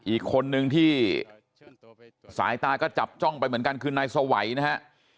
อีกคนนึงที่สายตาก็จับจ้องไปเหมือนกันคือนายสวัยนะฮะ